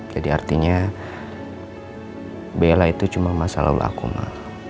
jadi artinya bella itu cuma masa lalu aku ma